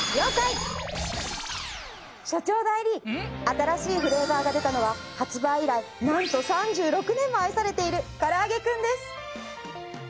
新しいフレーバーが出たのは発売以来なんと３６年も愛されている「からあげクン」です。